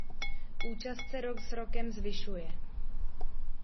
Účast se rok s rokem zvyšuje.